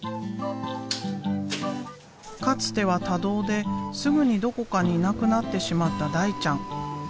かつては多動ですぐにどこかにいなくなってしまった大ちゃん。